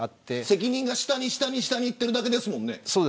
責任が下に下にいっているだけですもんね。